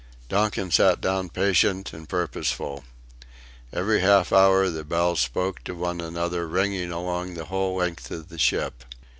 Donkin sat down patient and purposeful. Every half hour the bells spoke to one another ringing along the whole length of the ship.